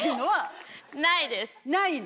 ないの？